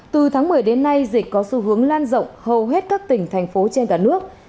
từ tháng một mươi đến nay dịch có xu hướng lan rộng hầu hết các tỉnh thành phố trên cả nước